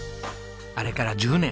あれから１０年。